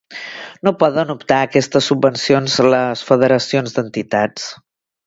No poden optar a aquestes subvencions les federacions d'entitats.